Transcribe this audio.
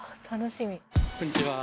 こんにちは。